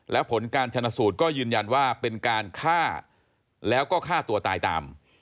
และผลการชนะสูตรก็ยืนยันว่าเป็นการฆ่าแล้วก็ฆ่าตัวตายตาม